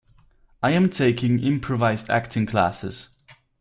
I am taking improvised acting classes.